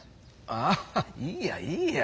あいいよいいよ。